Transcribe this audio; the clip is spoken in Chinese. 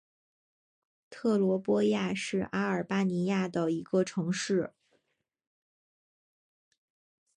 特罗波亚是阿尔巴尼亚的一个城市。